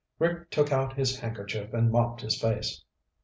Rick took out his handkerchief and mopped his face.